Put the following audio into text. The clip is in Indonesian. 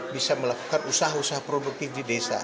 bisa melakukan usaha usaha produktif di desa